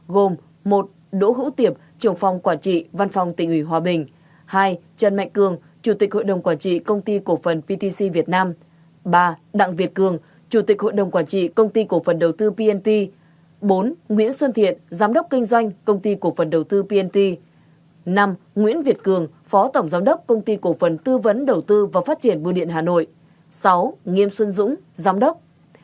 gồm một đỗ hữu tiệp trưởng phòng quản trị văn phòng tỉnh ủy hòa bình hai trần mạnh cường chủ tịch hội đồng quản trị công ty cổ phần ptc việt nam ba đặng việt cường chủ tịch hội đồng quản trị công ty cổ phần đầu tư pnt bốn nguyễn xuân thiện giám đốc kinh doanh công ty cổ phần đầu tư pnt năm nguyễn việt cường phó tổng giám đốc công ty cổ phần tư vấn đầu tư và phát triển bưu điện hà nội sáu nghiêm xuân dũng giám đốc